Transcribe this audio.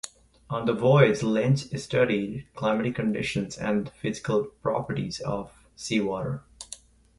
On the voyage Lenz studied climatic conditions and the physical properties of seawater.